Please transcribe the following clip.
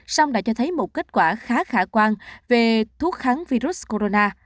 song đã cho thấy một kết quả khá khả quan về thuốc kháng virus corona